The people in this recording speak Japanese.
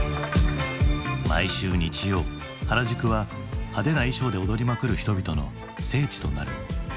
毎週日曜原宿は派手な衣装で踊りまくる人々の聖地となる。